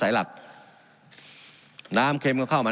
การปรับปรุงทางพื้นฐานสนามบิน